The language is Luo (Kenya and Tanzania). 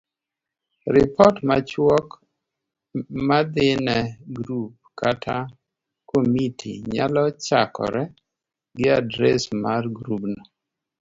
Ripot machuok madhine grup kata komiti nyalo chakore gi adres mar grubno.